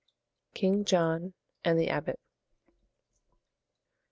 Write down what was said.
KING JOHN AND THE ABBOT.